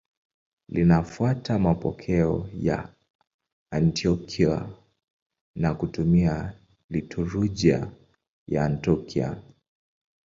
Linafuata mapokeo ya Antiokia na kutumia liturujia ya Antiokia.